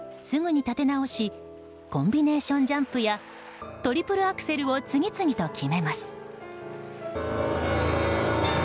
すぐに立て直しコンビネーションジャンプやトリプルアクセルを次々と決めます。